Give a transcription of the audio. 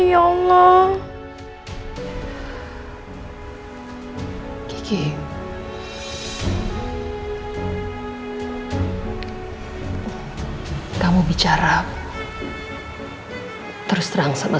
kayak ada yang ngikutin aku